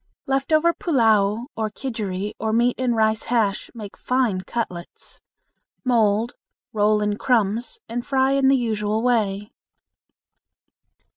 Left over pullao or kidgeri or meat and rice hash make fine cutlets. Mold, roll in crumbs, and fry in the usual way.